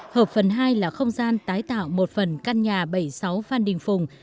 hợp phần hai là không gian tái tạo một phần căn nhà bảy mươi sáu phan đình phùng